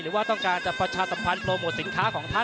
หรือว่าต้องการจะประชาสัมพันธ์โปรโมทสินค้าของท่าน